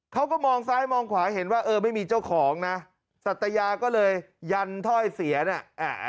เขาก็มองซ้ายมองขวาเห็นว่าเออไม่มีเจ้าของนะสัตยาก็เลยยันถ้อยเสียเนี่ย